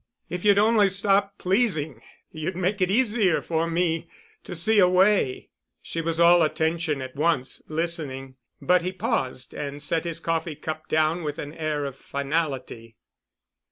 "If you'd only stop pleasing—you'd make it easier for me to see a way——" She was all attention at once, listening. But he paused and set his coffee cup down with an air of finality.